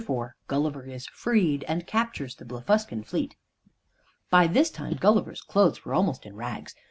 IV GULLIVER IS FREED, AND CAPTURES THE BLEFUSCAN FLEET By this time Gulliver's clothes were almost in rags.